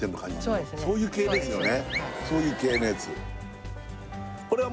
そうですそういう系ですよね